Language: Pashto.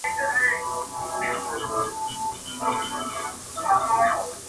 د کلي خلک د موټر شاوخوا راټولېږي او ګوري,